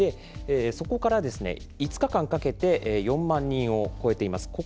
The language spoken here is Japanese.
そこから５日間かけて４万人を超えています。